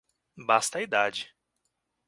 Basta a idade